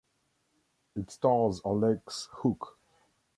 It stars Alex Hook.